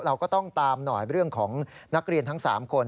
เราก็ต้องตามหน่อยเรื่องของนักเรียนทั้ง๓คน